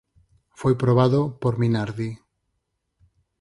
Foi probado por Minardi.